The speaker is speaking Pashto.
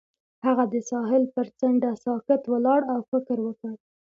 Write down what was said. هغه د ساحل پر څنډه ساکت ولاړ او فکر وکړ.